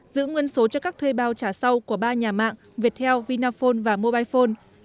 giữ nguyên số cho các thuê bao trả sau của ba nhà mạng viettel vinaphone và mobilephone